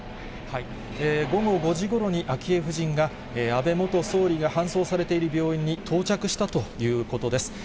午後５時ごろに昭恵夫人が、安倍元総理が搬送されている病院に到着したということです。